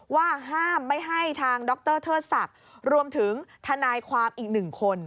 ว่าห้ามไม่ให้ทางดรเทิดศักดิ์รวมถึงทนายความอีกหนึ่งคน